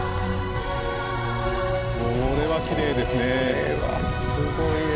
これはきれいですね。